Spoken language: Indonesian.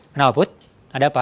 kenapa put ada apa